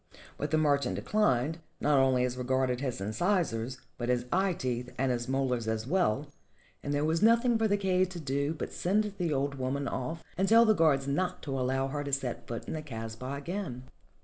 But the merchant declined, not only as regarded his incisors, but his eye teeth and his molars as well, and there was nothing for the kaid to do but send the old woman off and tell the guards not to allow her to set foot in the kasbah again.